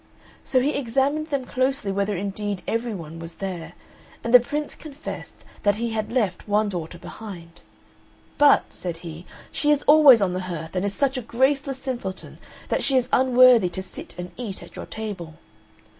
So he examined them closely whether indeed every one was there; and the Prince confessed that he had left one daughter behind, "but," said he, "she is always on the hearth, and is such a graceless simpleton that she is unworthy to sit and eat at your table."